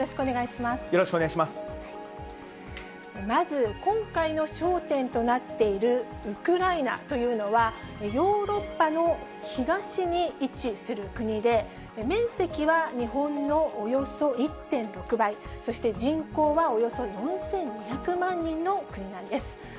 まず、今回の焦点となっているウクライナというのは、ヨーロッパの東に位置する国で、面積は日本のおよそ１．６倍、そして人口はおよそ４２００万人の国なんです。